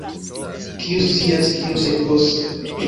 Kiu scias kio sekvos?